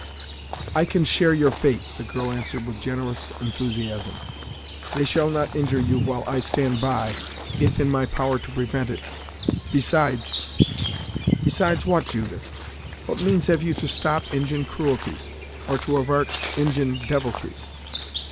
"I can share your fate," the girl answered with generous enthusiasm. "They shall not injure you while I stand by, if in my power to prevent it besides " "Besides, what, Judith? What means have you to stop Injin cruelties, or to avart Injin deviltries?"